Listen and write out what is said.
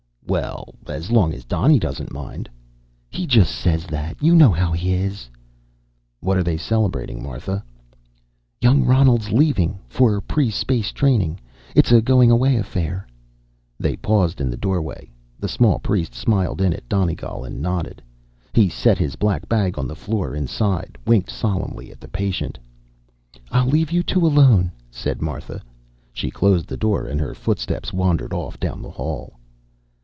"Well, as long as Donny doesn't mind " "He just says that. You know how he is." "What're they celebrating, Martha?" "Young Ronald's leaving for pre space training. It's a going away affair." They paused in the doorway. The small priest smiled in at Donegal and nodded. He set his black bag on the floor inside, winked solemnly at the patient. "I'll leave you two alone," said Martha. She closed the door and her footsteps wandered off down the hall.